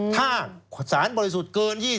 ถ้าสารบริสุทธิ์เกิน๒๐